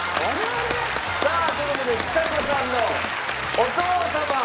さあという事でちさ子さんのお父様